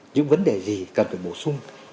những vấn đề gì cần phải bổ sung